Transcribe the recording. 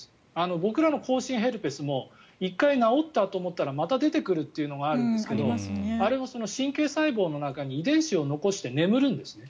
僕らの口唇ヘルペスも１回治ったと思ったらまた出てくるというのがあるんですがあれはその神経細胞の中に遺伝子を残して眠るんですね。